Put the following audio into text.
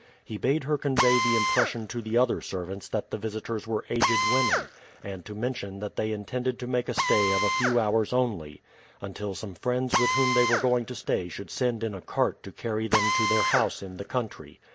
He bade her convey the impression to the other servants that the visitors were aged women, and to mention that they intended to make a stay of a few hours only, until some friends with whom they were going to stay should send in a cart to carry them to their house in the country.